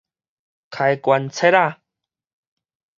開關切仔